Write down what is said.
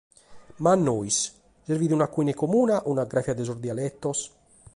Ma a nois serbit una koiné comuna o una grafia de sos dialetos?